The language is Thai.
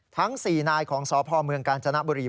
ทั้ง๔นายของสพเมืองกาญจนบุรี